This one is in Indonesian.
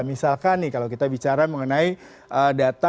misalkan nih kalau kita bicara mengenai data